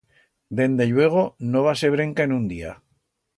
Dende lluego no va ser brenca en un día.